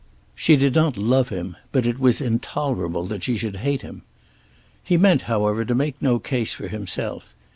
She did not love him, but it was intolerable that she should hate him. He meant, however, to make no case for himself.